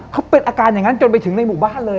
เขาเป็นอาการอย่างนั้นจนไปถึงในหมู่บ้านเลย